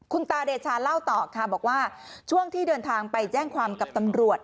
คุณตาเดชาเล่าต่อค่ะบอกว่าช่วงที่เดินทางไปแจ้งความกับตำรวจ